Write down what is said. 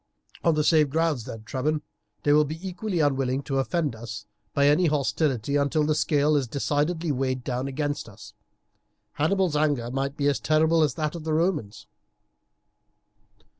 "On the same grounds then, Trebon, they will be equally unwilling to offend us by any hostility until the scale is decidedly weighed down against us. Hannibal's anger might be as terrible as that of the Romans."